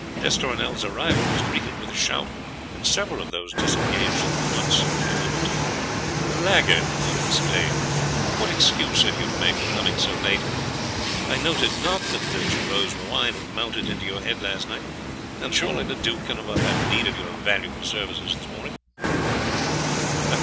D'Estournel's arrival was greeted with a shout, and several of those disengaged at once came over to him. "Laggard!" one exclaimed, "what excuse have you to make for coming so late? I noted not that De Jouvaux's wine had mounted into your head last night, and surely the duke cannot have had need of your valuable services this morning?"